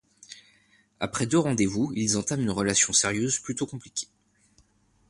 Après deux rendez-vous, ils entament une relation sérieuse plutôt compliquée.